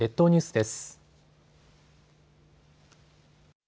列島ニュースです。